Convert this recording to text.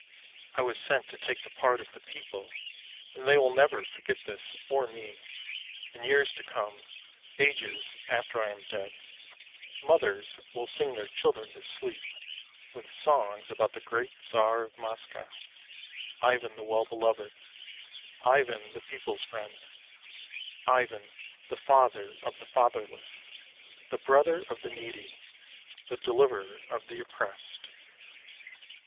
I was sent to take the part of the people, and they will never forget this or me; in years to come, ages after I am dead, mothers will sing their children to sleep with songs about the great Tsar of Moscow, Ivan the well beloved, Ivan the people's friend, Ivan the father of the fatherless, the brother of the needy, the deliverer of the oppressed.